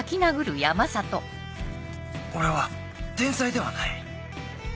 「俺は天才ではない？